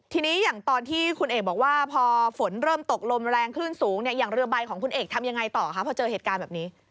ทีนี้อย่างตอนที่คุณเอกบอกว่าพอฝนเริ่มตกลมแรงคลื่นสูงเนี่ยอย่างเรือใบของคุณเอกทำยังไงต่อคะพอเจอเหตุการณ์แบบนี้